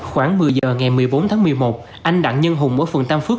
khoảng một mươi giờ ngày một mươi bốn tháng một mươi một anh đặng nhân hùng ở phường tam phước